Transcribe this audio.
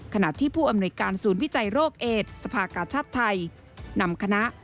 ขณะที่ผู้อำนวยการศูนย์วิจัยโรคเอดสภากาชาติไทยนำคณะ